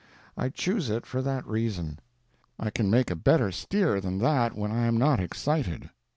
I choose it for that reason. I can make a better steer than that when I am not excited.